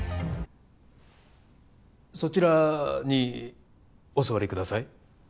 そちらにお座りください。